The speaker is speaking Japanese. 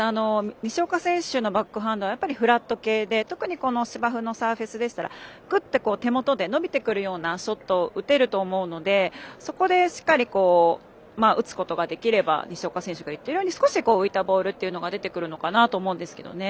西岡選手のバックハンドはフラット系で特に芝生のサーフェスでしたらぐっと手元で伸びてくるようなショットを打てると思うのでそこで、しっかり打つことができれば西岡選手が言っているように少し浮いたボールというのが出てくるのかなと思うんですけどね。